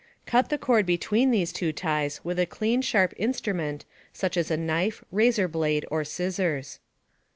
Cut the cord between these two ties with a clean sharp instrument such as a knife, razor blade, or scissors.